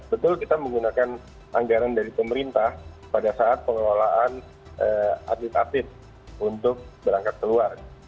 betul kita menggunakan anggaran dari pemerintah pada saat pengelolaan atlet atlet untuk berangkat keluar